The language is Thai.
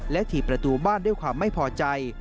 ถี่ประตูบ้านด้วยความไม่พอใจ